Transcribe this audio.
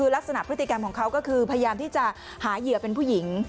ลักษณะพฤติกรรมของเขาก็คือพยายามที่จะหาเหยื่อเป็นผู้หญิง